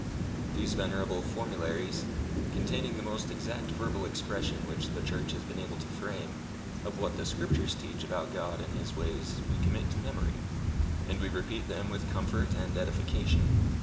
These venerable formularies, containing the most exact verbal expression which the Church has been able to frame, of what the Scriptures teach about God and his ways, we commit to memory, and we repeat them with comfort and edification.